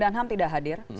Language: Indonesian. hukum dan ham tidak hadir